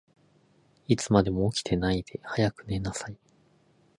いつまでも起きてないで、早く寝なさい。